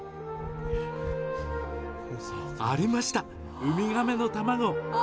ありました、ウミガメの卵。